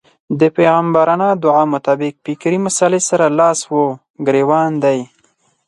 دې پيغمبرانه دعا مطابق فکري مسئلې سره لاس و ګرېوان دی.